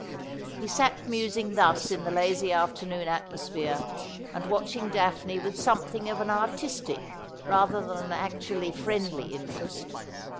He sat musing thus in the lazy afternoon atmosphere, and watching Daphne with something of an artistic rather than an actually friendly interest.